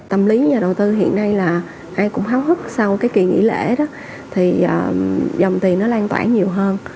tâm lý nhà đầu tư hiện nay là ai cũng háo hức sau cái kỳ nghỉ lễ đó thì dòng tiền nó lan tỏa nhiều hơn